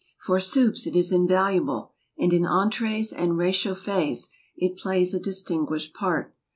For soups it is invaluable, and in entrees and réchauffés it plays a distinguished part.